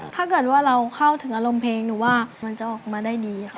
ถ้าเกิดว่าเราเข้าถึงอารมณ์เพลงหนูว่ามันจะออกมาได้ดีค่ะ